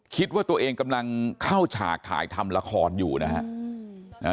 คิดว่าตัวเองกำลังเข้าฉากถ่ายทำละครอยู่นะฮะ